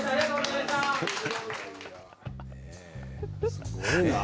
すごいな。